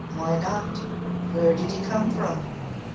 Why not? Where did he come from?